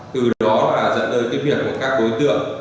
từ đó dẫn đôi việc của các đối tượng